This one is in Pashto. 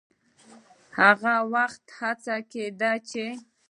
هغه وخت هڅه کېده چې